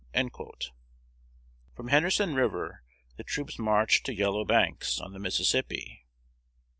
From Henderson River the troops marched to Yellow Banks, on the Mississippi.